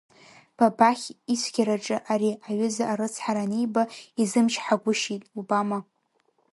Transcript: Бабахь ицәгьараҿы ари аҩыза арыцҳара аниба, изымчҳагәышьеит убама!